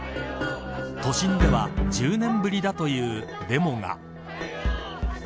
都心では１０年ぶりだというデモが。